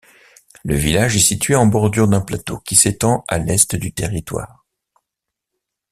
Le village est situé en bordure d’un plateau qui s’étend à l’est du territoire.